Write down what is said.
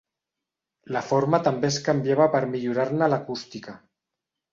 La forma també es canviava per millorar-ne l'acústica.